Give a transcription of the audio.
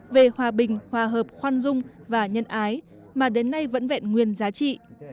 về hòa bình hòa hợp khoan dung và nhân ái mà đến nay vẫn vẹn nguyên giá trị